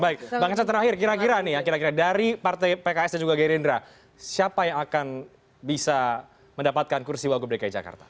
bang zad terakhir kira kira nih ya kira kira dari partai pks dan juga gerindara siapa yang akan bisa mendapatkan kursi wagobre kjk